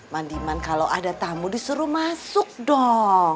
mandiman kalau ada tamu disuruh masuk dong